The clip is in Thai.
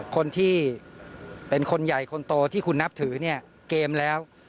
คนที่เป็นคนใหญ่คนโตที่คุณนับถือเนี่ยเกมแล้ว